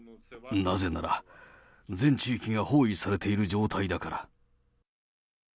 なぜなら、全地域が包囲されている状態だから。